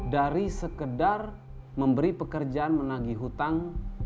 dari sekedar memberi pekerjaan menagih hutang